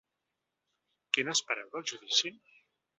Què n’espereu del judici?